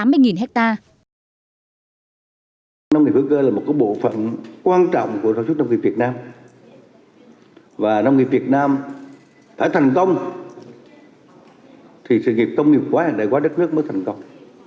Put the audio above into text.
nông nghiệp việt nam đã thành công thì sự nghiệp công nghiệp quá hiện đại quá đất nước mới thành công